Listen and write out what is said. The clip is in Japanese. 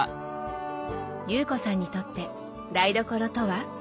有子さんにとって台所とは？